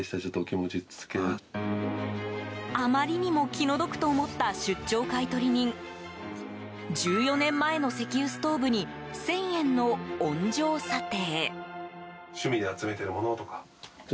あまりにも気の毒と思った出張買取人１４年前の石油ストーブに１０００円の温情査定。